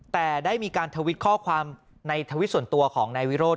แต่ได้มีการทวิตข้อความในทวิตส่วนตัวของนายวิโรธ